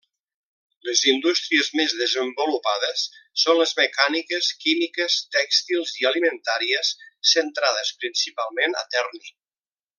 Les indústries més desenvolupades són les mecàniques, químiques, tèxtils i alimentàries, centrades, principalment, a Terni.